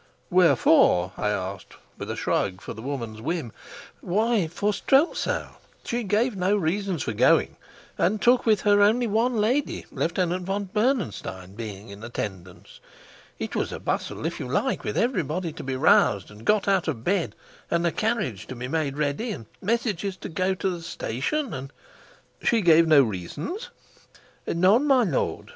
"Where for?" I asked, with a shrug for the woman's whim. "Why, for Strelsau. She gave no reasons for going, and took with her only one lady, Lieutenant von Bernenstein being in attendance. It was a bustle, if you like, with everybody to be roused and got out of bed, and a carriage to be made ready, and messages to go to the station, and " "She gave no reasons?" "None, my lord.